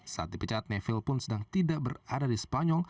saat dipecat nevil pun sedang tidak berada di spanyol